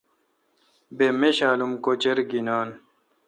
بہ میشالم کوچر گینان۔